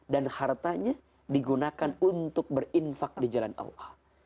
dan hartanya digunakan untuk berinfak di jalan allah